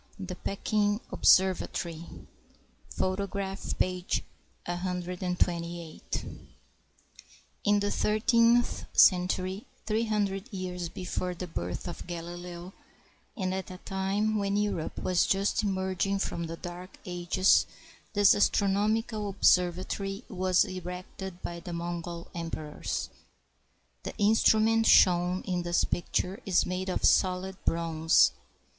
128 THE PEKING OBSERVATORY THE PEKING OBSERVATORY In the thirteenth century, three hundred years before the birth of GaUleo, and at a time when Europe was just emerg ing from the Dark Ages, this astronomical observatory was erected by the Mongol emperors. The instrument shown in this picture is made of solid bronze.